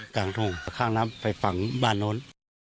กลางทุ่งข้างน้ำไปฝั่งบ้านโน้น